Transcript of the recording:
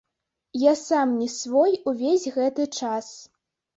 Я сам не свой увесь гэты час.